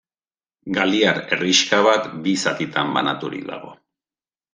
Galiar herrixka bat bi zatitan banaturik dago.